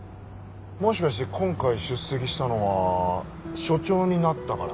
もしかして今回出席したのは署長になったから？